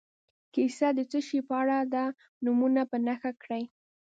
کیسه د څه شي په اړه ده نومونه په نښه کړي.